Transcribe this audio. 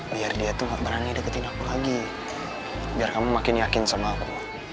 biar dia tuh gak berani deketin aku lagi biar kamu makin yakin sama aku